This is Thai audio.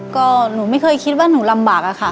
ก็หนูไม่เคยคิดว่าหนูลำบากอะค่ะ